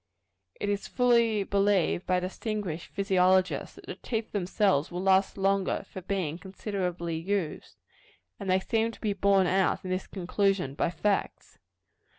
It is fully believed by distinguished physiologists, that the teeth themselves will last longer for being considerably used; and they seem to be borne out in this conclusion by facts.